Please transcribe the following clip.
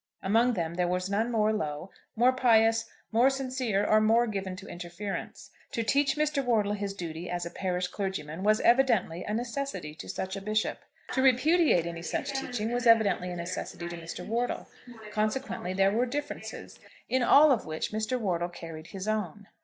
Among them there was none more low, more pious, more sincere, or more given to interference. To teach Mr. Wortle his duty as a parish clergyman was evidently a necessity to such a bishop. To repudiate any such teaching was evidently a necessity to Mr. Wortle. Consequently there were differences, in all of which Mr. Wortle carried his own.